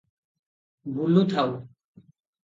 ବୁଲୁଥାଉ ।"